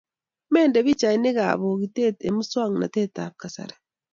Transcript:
mende pichaishek ab pokitet eng' muswognatet ab kasari